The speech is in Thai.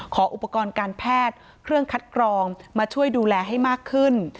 ขออุปกรณ์การแพทย์เครื่องคัดกรองมาช่วยดูแลให้มากขึ้น